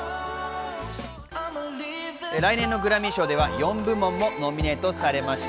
来年のグラミー賞では４部門もノミネートされました。